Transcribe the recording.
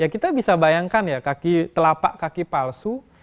kita bisa bayangkan ya kaki telapak kaki palsu